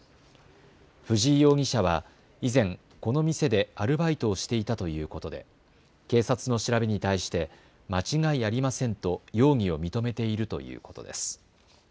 藤井容疑者は以前、この店でアルバイトをしていたということで警察の調べに対して間違いありませんと容疑を認めているということです。